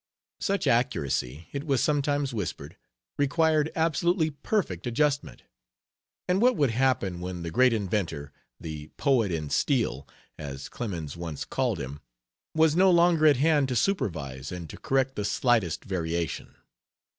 Such accuracy, it was sometimes whispered, required absolutely perfect adjustment, and what would happen when the great inventor "the poet in steel," as Clemens once called him was no longer at hand to supervise and to correct the slightest variation.